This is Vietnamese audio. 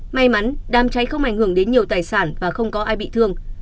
may mắn đám cháy không ảnh hưởng đến nhiều tài sản và không có ai bị thương